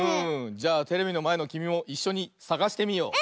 じゃあテレビのまえのきみもいっしょにさがしてみよう！